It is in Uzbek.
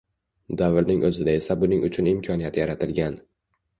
Davrning o‘zida esa buning uchun imkoniyat yaratilgan.